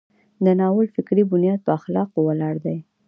د ناول فکري بنیاد په اخلاقو ولاړ دی.